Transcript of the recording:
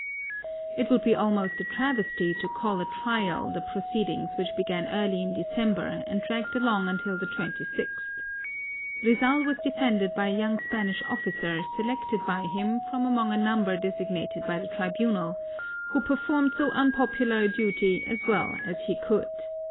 It would be almost a travesty to call a trial the proceedings which began early in December and dragged along until the twenty sixth. Rizal was defended by a young Spanish officer selected by him from among a number designated by the tribunal, who chivalrously performed so unpopular a duty as well as he could.